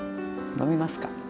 飲みますか？